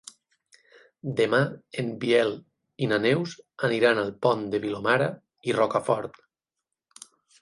Demà en Biel i na Neus aniran al Pont de Vilomara i Rocafort.